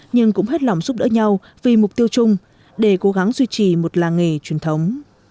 nhưng cũng hết lòng giúp đỡ nhau vì mục tiêu chung để cố gắng duy trì một làng nghề truyền thống